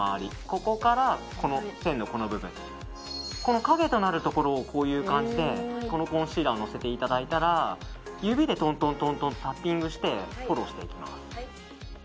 ここから線の部分影となるところをこういう感じでコンシーラーをのせていただいたら指でトントンとタッピングしてフォローしていきます。